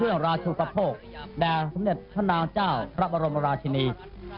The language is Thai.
เมื่องราชุกระโภคแด่สำเร็จท่านาวเจ้าพระบรมราชินี